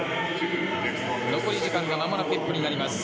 残り時間がまもなく１分になります。